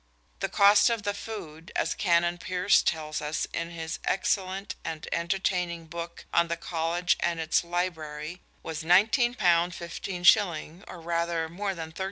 The cost of the food, as Canon Pearce tells us in his excellent and entertaining book on the College and its Library, was £19 15s., or rather more than 13s.